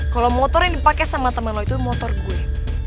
kalau motor yang dipakai sama temen lo itu motor gue